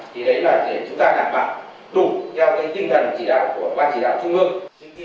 thì đấy là để chúng ta đảm bảo đủ theo tinh thần chỉ đạo của ban chỉ đạo trung ương